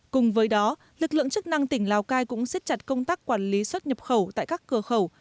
cùng với đó lực lượng chức năng tỉnh lào cai cũng xiết chặt công tác quản lý xuất nhập khẩu tại các cửa khẩu